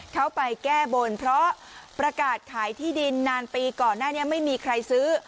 เขาไปแก้บนเพราะประกาศขายที่ดินนานปีก่อนหน้านี้ไม่มีใครซื้อ